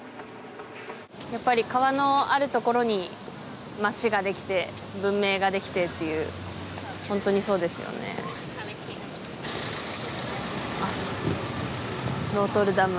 やっぱり川のある所に街ができて文明ができてっていうホントにそうですよねあっノートルダム